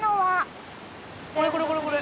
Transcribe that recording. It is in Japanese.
これこれこれこれ。